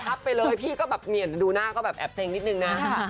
นอนทับไปเลยพี่ก็แบบเหนียนดูหน้าก็แบบแอบเต็งนิดนึงนะ